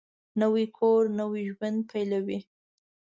نوی کور نوی ژوند پېلوي